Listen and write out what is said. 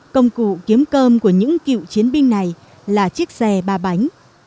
công cụ kiếm cơm của những cựu chiến binh này là chiếc xe ba bánh